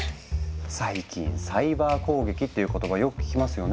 最近サイバー攻撃っていう言葉よく聞きますよね？